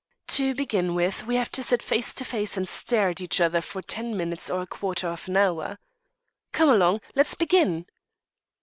"To begin with, we have to sit face to face and stare at each other for ten minutes or a quarter of an hour." "Come along! Let's begin."